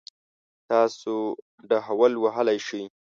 تاسو ډهول وهلی شئ؟